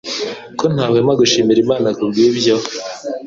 ko ntahwema gushimira Imana kubwibyo